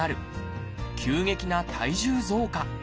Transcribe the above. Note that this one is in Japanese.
急激な体重増加。